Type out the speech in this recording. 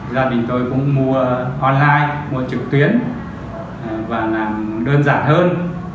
gia đình tôi cũng mua online mua trực tuyến và làm đơn giản hơn